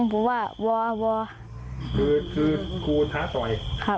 ผมว่าวอวอคือคือครูท้าต่อยครับ